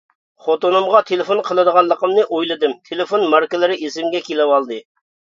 خوتۇنۇمغا تېلېفون قىلىدىغانلىقىمنى ئويلىدىم، تېلېفون ماركىلىرى ئېسىمگە كېلىۋالدى.